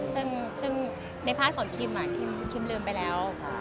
ซึ่งในพาร์ทของคิมคิมลืมไปแล้ว